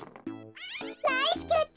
ナイスキャッチ！